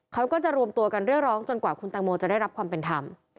เขาก็จะรวมตัวกันเรียกร้องจนกว่าคุณตังโมจะได้รับความเป็นธรรม